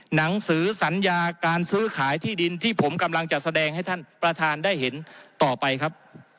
หนังสือสัญญาการซื้อขายที่ดินที่ผมกำลังจะแสดงให้ท่านประธานได้เห็นต่อไปครับ